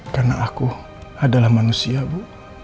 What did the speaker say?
karena aku adalah manusia bu